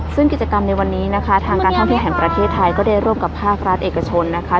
ซึ่งกิจกรรมในวันนี้นะคะทางการท่องเที่ยวแห่งประเทศไทยก็ได้ร่วมกับภาครัฐเอกชนนะคะ